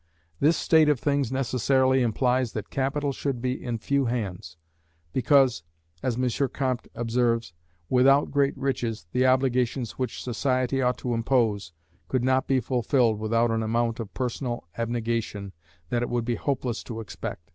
This state of things necessarily implies that capital should be in few hands, because, as M. Comte observes, without great riches, the obligations which society ought to impose, could not be fulfilled without an amount of personal abnegation that it would be hopeless to expect.